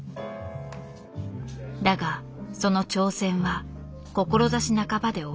だがその挑戦は志半ばで終わる。